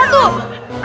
satu dua tiga